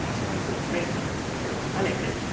で黒がハネて。